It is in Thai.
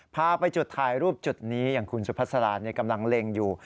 พาไปจุดถ่ายรูปจุดนี้อย่างคุณสุภาษากำลังเล็งอยู่